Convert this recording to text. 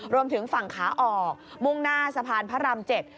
รวมถึงฝั่งขาออกมุ่งหน้าสะพานพระราม๗